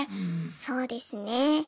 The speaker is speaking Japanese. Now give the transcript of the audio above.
そうですね。